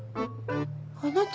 あなた。